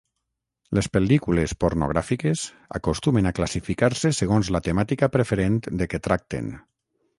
Les pel·lícules pornogràfiques acostumen a classificar-se segons la temàtica preferent de què tracten.